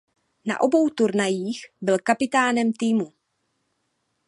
Na obou turnajích byl kapitánem týmu.